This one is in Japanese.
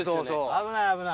危ない、危ない。